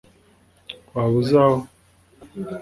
waba uzi aho